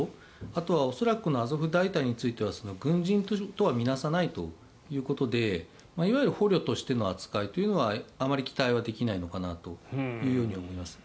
あとは恐らくアゾフ大隊については軍人とは見なさないということでいわゆる捕虜としての扱いというのはあまり期待できないのかなと思います。